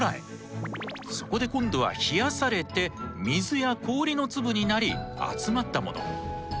そこで今度は冷やされて水や氷の粒になり集まったもの。